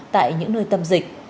tại những nơi tâm dịch